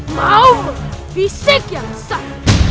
mau menerang fisik yang besar